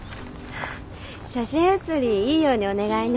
写真写りいいようにお願いね。